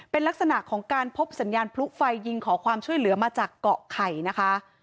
เป็นลักษณะของการพบสัญญาณพลุไฟยิงขอความช่วยเหลือมาจากเกาะไข่นะคะ